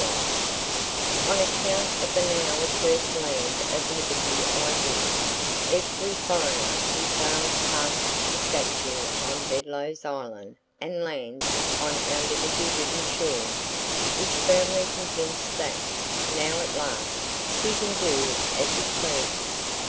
[Page 101] On account of the now accursed land of liberty idea, every foreigner who sails past the statue on Bedloe's Island and lands on our liberty ridden shore, is firmly convinced that now, at last, he can do as he pleases!